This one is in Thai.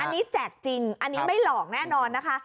อันนี้แจกจริงอันนี้ไม่หลอกแน่นอนนะคะ